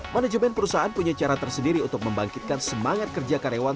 manajemen perusahaan punya cara tersendiri untuk membangkitkan semangat kerja karyawan